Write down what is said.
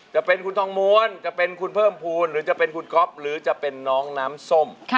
จะเป็นคุณเพิ่มพูนหรือจะเป็นคุณก๊อปหรือจะเป็นน้องน้ำส้ม